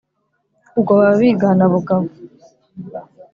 “ ubwo baba bigana bugabo